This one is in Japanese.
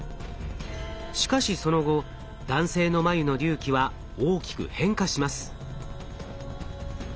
しかしその後男性の眉の隆起は大きく変化します。